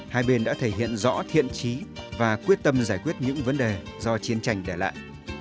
hai bên đã thể hiện rõ thiện trí và quyết tâm giải quyết những vấn đề do chiến tranh để lại